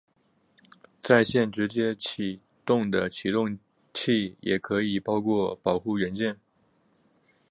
在线直接起动的启动器也可以包括保护元件。